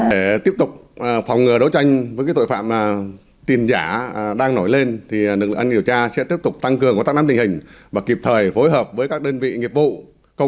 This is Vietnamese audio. để tiếp tục phòng ngừa đấu tranh với tội phạm tiền giả đang nổi lên thì lực lượng chức năng sẽ tăng cường tắc nắm tình hình và kịp thời phối hợp với các đơn vị nghiệp vụ công an các đơn vị địa phương